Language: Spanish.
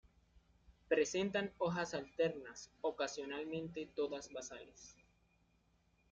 Presentan hojas alternas, ocasionalmente todas basales.